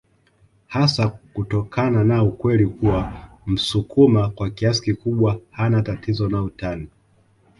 Hasa kutokana na ukweli kuwa msukuma kwa kiasi kikubwa hana tatizo na utani